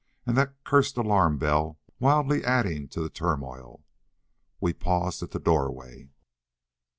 And that cursed alarm bell wildly adding to the turmoil. We paused at the doorway.